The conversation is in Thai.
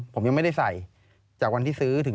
ผมยังไม่ได้ใส่